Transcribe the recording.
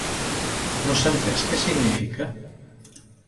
No s’ha entès què significa?